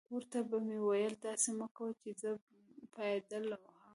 ور ته به مې ویل: داسې مه کوه چې زه پایډل وهم.